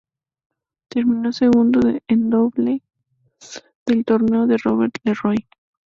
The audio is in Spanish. Terminó segundo en dobles del torneo con Robert LeRoy.